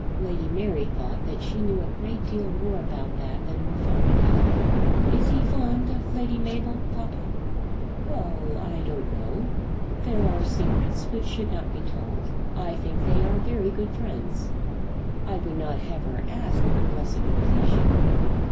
Lady Mary thought that she knew a great deal more about that than her father did. "Is he fond of Lady Mabel, papa?" "Well, I don't know. There are secrets which should not be told. I think they are very good friends. I would not have her asked unless it would please you."